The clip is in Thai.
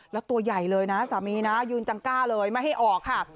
แล้วตัวใหญ่เลยนะสามีนะยืนจังกล้าเลยไม่ให้ออกค่ะ